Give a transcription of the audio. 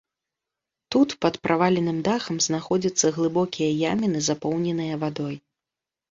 Тут пад праваленым дахам знаходзяцца глыбокія яміны, запоўненыя вадой.